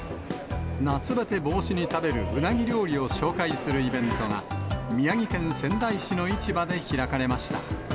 夏バテ防止に食べるうなぎ料理を紹介するイベントが、宮城県仙台市の市場で開かれました。